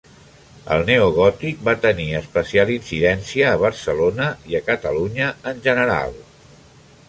El neogòtic va tenir especial incidència a Barcelona i a Catalunya en general.